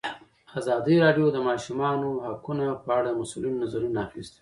ازادي راډیو د د ماشومانو حقونه په اړه د مسؤلینو نظرونه اخیستي.